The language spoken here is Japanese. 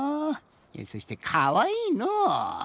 いやそしてかわいいの。